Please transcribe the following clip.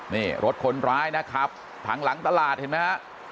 นี่รถคนร้ายนะครับถังหลังตลาดเห็นไหมฮะ